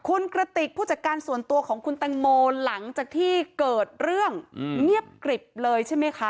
คุณกระติกผู้จัดการส่วนตัวของคุณแตงโมหลังจากที่เกิดเรื่องเงียบกริบเลยใช่ไหมคะ